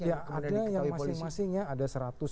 ya ada masing masingnya ada seratus dua ratus